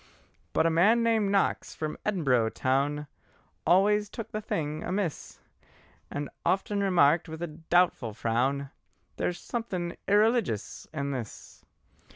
But a man named Knox from Edinboro toun, Always took the thing amiss, And often remarked with a doubtful frown: "There is something eereligious in this!"